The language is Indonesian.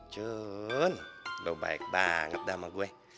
cun lo baik banget dah sama gue